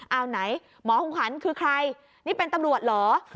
เอาไหนหมอของขวัญคือใครนี่เป็นตำรวจเหรอ